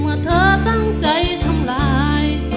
เมื่อเธอตั้งใจทำลาย